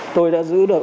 tôi đã giữ được